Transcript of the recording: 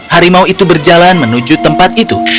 harimau itu berjalan menuju tempat itu